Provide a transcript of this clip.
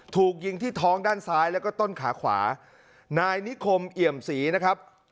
ถูกยิงที่ท้องด้านซ้ายแล้วก็ต้นขาขวานายนิคมเอี่ยมศรีนะครับ